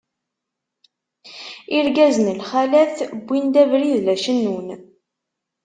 Irgazen lxalat, wwin-d abrid la cennun.